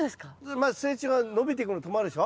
まず成長が伸びてくるの止まるでしょ？